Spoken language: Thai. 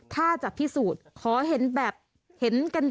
ถ้าจะพิสูจน์ขอเห็นแบบเห็นกัน